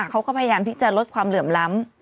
เขาก็พยายามที่จะลดความเหลื่อมล้ำ